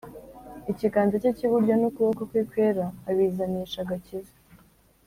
Ikiganza cye cyiburyo nukuboko kwe kwera abizanisha agakiza